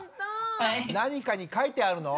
何かに書いてあるの？